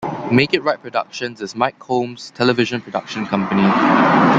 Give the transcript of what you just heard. Make It Right Productions is Mike Holmes's television production company.